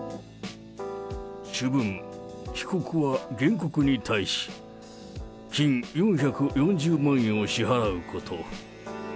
主文、被告は原告に対し、金４４０万円を支払うこと。